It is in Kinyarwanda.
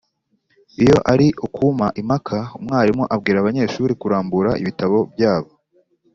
Iyo ari ukujya impaka, umwarimu abwira abanyeshuri kurambura ibitabo byabo